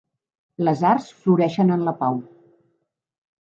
Les arts floreixen en la pau.